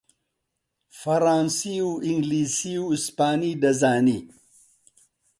فەڕانسی و ئینگلیسی و ئەسپانی دەزانی